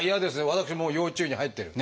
私もう要注意に入ってる。